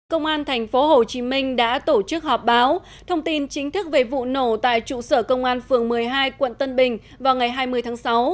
công an tp hcm đã tổ chức họp báo thông tin chính thức về vụ nổ tại trụ sở công an phường một mươi hai quận tân bình vào ngày hai mươi tháng sáu